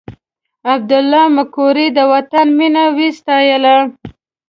عبدالله مقري د وطن مینه وستایله.